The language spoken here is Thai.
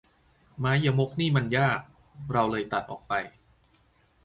ไม่ยมกนี่มันยาก เราเลยตัดออกไป